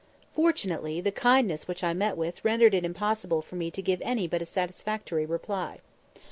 Fortunately, the kindness which I met with rendered it impossible for me to give any but a satisfactory reply.